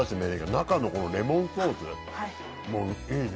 中のレモンソース、いいね。